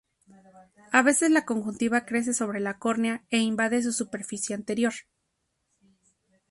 A veces la conjuntiva crece sobre la córnea e invade su superficie anterior.